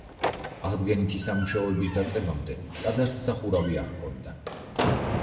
აღდგენითი სამუშაოების დაწყებამდე ტაძარს სახურავი არ ჰქონდა.